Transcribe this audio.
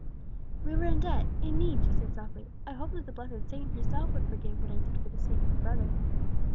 "We were in debt in need," she said softly; "I hope that the blessed saint herself would forgive what I did for the sake of a brother."